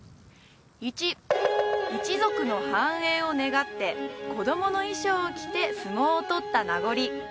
１一族の繁栄を願って子供の衣装を着て相撲を取った名残